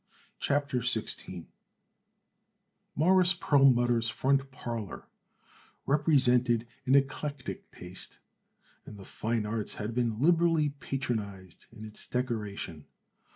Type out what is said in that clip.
CHAPTER XVI Morris Perlmutter's front parlor represented an eclectic taste, and the fine arts had been liberally patronized in its decoration.